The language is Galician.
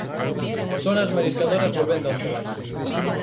Son as mariscadoras volvendo ao traballo.